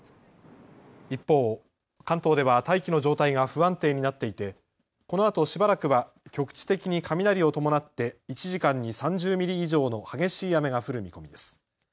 一方、関東では大気の状態が不安定になっていてこのあとしばらくは局地的に雷を伴って１時間に３０ミリ以上の激しい雨が降る見込みです。